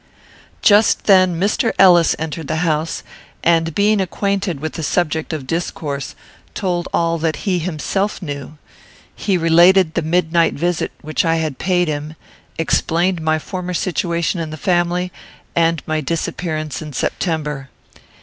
Just then Mr. Ellis entered the house, and, being made acquainted with the subject of discourse, told all that he himself knew. He related the midnight visit which I had paid him, explained my former situation in the family, and my disappearance in September.